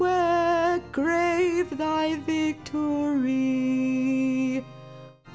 Where, grave, thy victory?